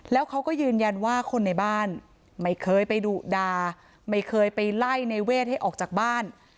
แล้วเขาก็ยืนยันว่าคนในบ้านไม่เคยไปดุดาไม่เคยไปไล่ในเวทให้ออกจากบ้าน